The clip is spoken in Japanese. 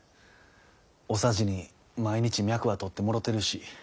お匙に毎日脈は取ってもろてるし。